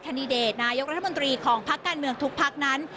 ดิเดตนายกรัฐมนตรีของพักการเมืองทุกพักนั้น